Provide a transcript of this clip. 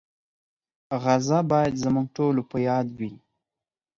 غزه باید زموږ ټولو په یاد وي.